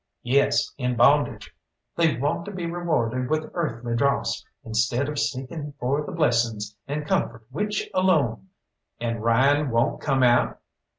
"Yes, in bondage. They want to be rewarded with earthly dross, instead of seeking for the blessings and comfort which alone " "And Ryan won't come out?"